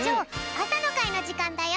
あさのかいのじかんだよ。